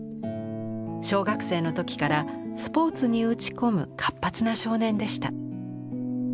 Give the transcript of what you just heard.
小学生の時からスポーツに打ち込む活発な少年でした。